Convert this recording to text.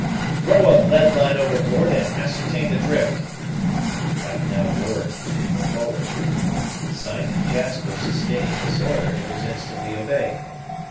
"Throw a lead line overboard, and ascertain the drift!" Cap now roared to the people forward. A sign from Jasper sustaining this order, it was instantly obeyed.